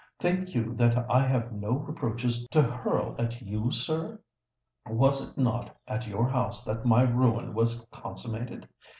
"Think you that I have no reproaches to hurl at you, sir? Was it not at your house that my ruin was consummated?